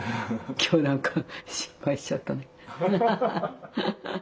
今日何か失敗しちゃったな。